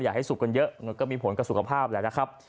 อยากให้สุกกันเยอะมันก็มีผลกับสุขภาพแหละนะครับ